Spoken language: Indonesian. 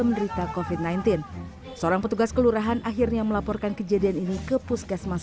menderita kofit sembilan belas seorang petugas kelurahan akhirnya melaporkan kejadian ini ke puskesmas